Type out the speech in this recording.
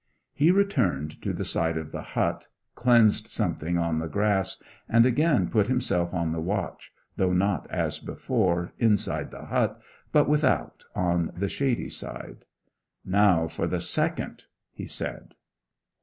He returned to the side of the hut, cleansed something on the grass, and again put himself on the watch, though not as before, inside the hut, but without, on the shady side. 'Now for the second!' he said.